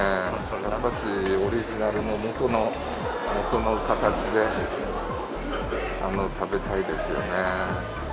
やっぱしオリジナルのもとの、もとの形で食べたいですよね。